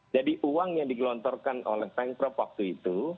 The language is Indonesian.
jadi uang yang digelontorkan oleh pengprov waktu itu